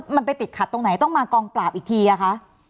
มันไปติดขัดตรงไหนต้องมากองปราบอีกทีอะคะ